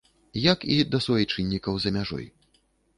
Як і да суайчыннікаў за мяжой.